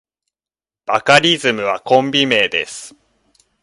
バカリズムはコンビ名です。